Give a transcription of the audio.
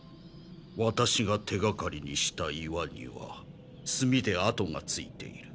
ワタシが手がかりにした岩にはすみであとがついている。